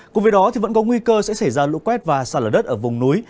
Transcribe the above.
cùng với đó vẫn có nguy cơ sẽ xảy ra lũ quét và xa lở đất ở vùng núi